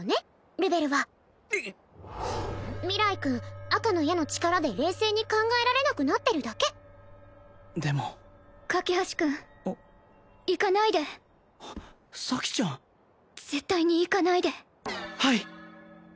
ルベルは明日君赤の矢の力で冷静に考えられなくなってるだけでも架橋君行かないで咲ちゃん絶対に行かないではい！